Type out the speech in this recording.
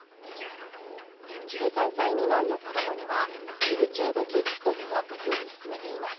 １３歳未満の子どもにはＹｏｕＴｕｂｅＫｉｄｓというアプリを勧めています。